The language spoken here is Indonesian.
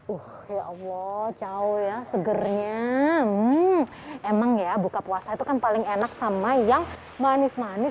uh ya allah jauh ya segernya emang ya buka puasa itu kan paling enak sama yang manis manis